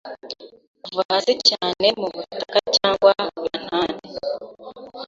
kuva hasi cyane mubutaka cyangwa mantanti